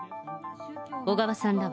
小川さんらは、